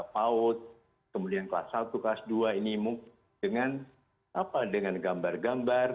paut kemudian kelas satu kelas dua ini dengan gambar gambar